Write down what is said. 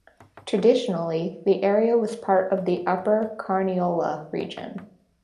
Traditionally the area was part of the Upper Carniola region.